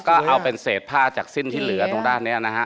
ก็เอาเป็นเศษผ้าจากสิ้นที่เหลือตรงด้านนี้นะฮะ